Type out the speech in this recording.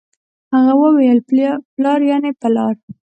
هغه وويل پلار يعنې په لار